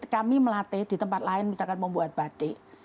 kami melatih di tempat lain misalkan membuat batik